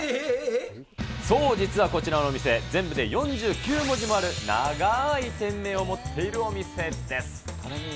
そう、実はこちらのお店、全部で４９文字もある長い店名を持っているお店です。